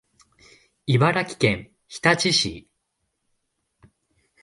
茨城県日立市